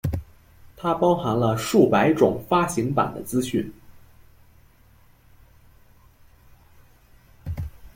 它包含了数百种发行版的资讯。